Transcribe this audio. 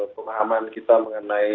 pemahaman kita mengenai